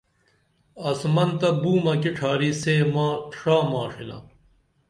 آسمن تہ بُومہ کی ڇھاری سے ماں ݜا ماݜِنا